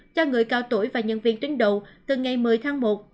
cho người cao tuổi và nhân viên tính độ từ ngày một mươi tháng một